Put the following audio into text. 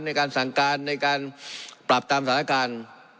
ในการสั่งการในการปรับตามสถานการณ์